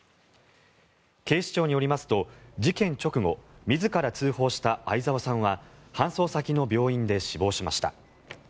警視庁によりますと、事件直後自ら通報した相沢さんは搬送先の病院で死亡しました。